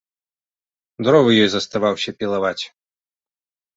Дровы ёй заставаўся пілаваць.